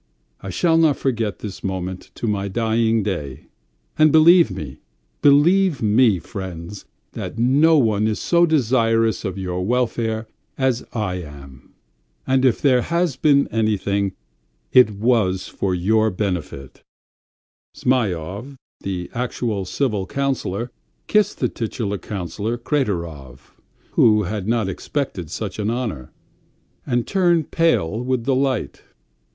... I shall not forget this moment to my dying day, and believe me ... believe me, friends, that no one is so desirous of your welfare as I am ... and if there has been anything ... it was for your benefit." Zhmyhov, the actual civil councillor, kissed the titular councillor Kraterov, who had not expected such an honour, and turned pale with delight.